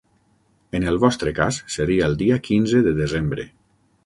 En el vostre cas seria el dia quinze de desembre.